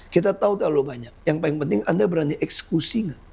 kita tahu terlalu banyak yang paling penting anda berani eksekusi nggak